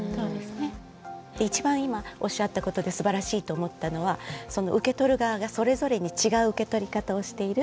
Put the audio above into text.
一番今おっしゃったことですばらしいと思ったのは受け取る側がそれぞれに違う受け取り方をしている。